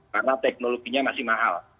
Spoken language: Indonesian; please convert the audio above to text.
karena teknologinya masih mahal